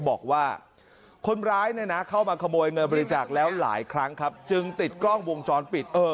บอกว่าคนร้ายเนี่ยนะเข้ามาขโมยเงินบริจาคแล้วหลายครั้งครับจึงติดกล้องวงจรปิด